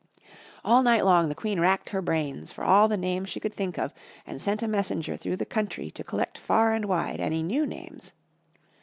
All night long the Queen racked her brains for all the names she could think of, and sent a messenger through the country to collect far and wide any new names.